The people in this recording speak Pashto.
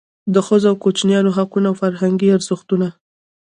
د ښځو او کوچنیانو حقوق او فرهنګي ارزښتونه.